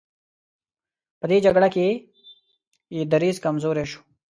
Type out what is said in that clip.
په دې جګړه کې یې دریځ کمزوری شو.